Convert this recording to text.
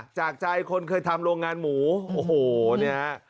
จากใจคนเคยทำโรงงานหมูโอ้โหเนี่ยฮะ